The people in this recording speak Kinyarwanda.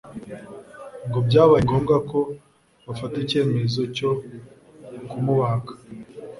ngo byabaye ngombwa ko bafata icyemezo cyo kumubaga